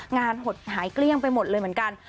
หดหายเกลี้ยงไปหมดเลยเหมือนกัน